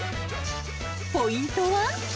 ポイントは。